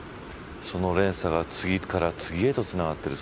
その連鎖が次から次へとつながっている。